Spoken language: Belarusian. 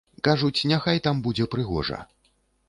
Кажуць, няхай там будзе прыгожа.